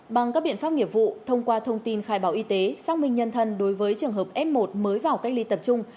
bằng các biện pháp nghiệp vụ thông qua thông tin khai báo y tế xác minh nhân thân đối với trường hợp f một mới vào cách ly tập trung